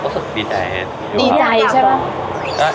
รู้สึกดีใจดีใจใช่ไหม